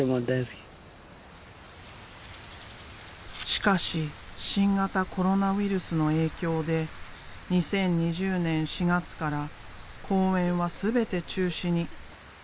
しかし新型コロナウイルスの影響で２０２０年４月から公演は全て中止に。